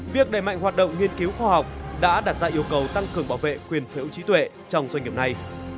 việc đẩy mạnh hoạt động nghiên cứu khoa học đã đặt ra yêu cầu tăng cường bảo vệ quyền sở hữu trí tuệ trong doanh nghiệp này